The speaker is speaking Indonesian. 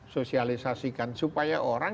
sosialisasikan supaya orang